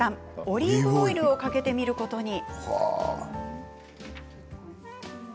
オリーブオイルをかけてみることに。